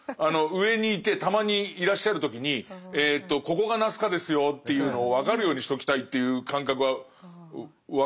上にいてたまにいらっしゃる時に「ここがナスカですよ」っていうのを分かるようにしときたいっていう感覚は分かるから。